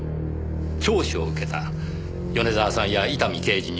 聴取を受けた米沢さんや伊丹刑事にも聞きました。